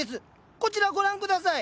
こちらご覧下さい！